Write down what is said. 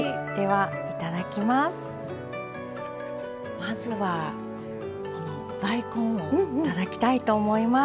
まずはこの大根を頂きたいと思います。